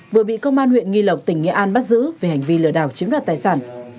vừa bị công an huyện nghi lộc tỉnh nghệ an bắt giữ về hành vi lừa đảo chiếm đoạt tài sản